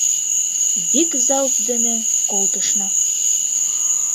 Вик залп дене колтышна.